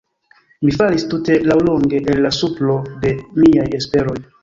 Mi falis tute laŭlonge el la supro de miaj esperoj.